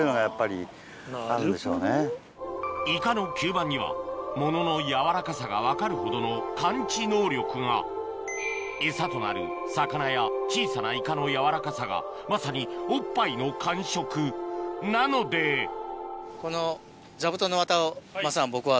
イカの吸盤には物の柔らかさが分かるほどの感知能力がエサとなる魚や小さなイカの柔らかさがまさにおっぱいの感触なので僕は。